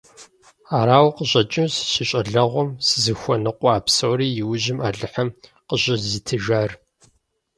Арауэ къыщӀэкӀынущ си щӀалэгъуэм сызыхуэныкъуа псори иужьым Алыхьым къыщӀызитыжар.